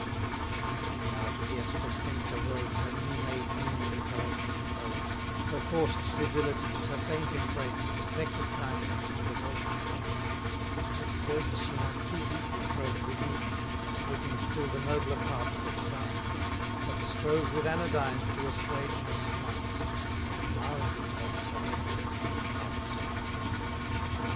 'Twas easy now to guess from whence arose Her new made union with her ancient foes, Her forced civilities, her faint embrace, Affected kindness with an alter'd face: Yet durst she not too deeply probe the wound, 80 As hoping still the nobler parts were sound: But strove with anodynes to assuage the smart, And mildly thus her medicine did impart.